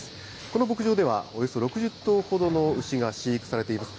この牧場では、およそ６０頭ほどの牛が飼育されています。